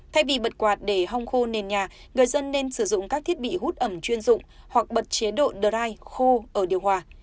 thay vì bật quạt để hong khô nền nhà người dân nên sử dụng các thiết bị hút ẩm chuyên dụng hoặc bật chế độ draide khô ở điều hòa